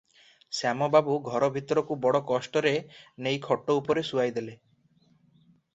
ଶ୍ୟାମ ବାବୁ ଘର ଭିତରକୁ ବଡ଼ କଷ୍ଟରେ ନେଇ ଖଟଉପରେ ଶୁଆଇ ଦେଲେ ।